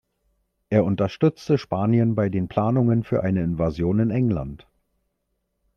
Er unterstützte Spanien bei den Planungen für eine Invasion in England.